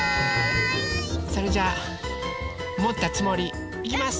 それじゃあもったつもり。いきます。